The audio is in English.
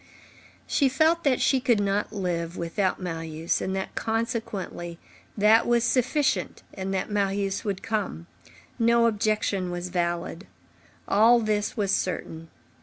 She felt that she could not live without Marius, and that, consequently, that was sufficient and that Marius would come. No objection was valid. All this was certain.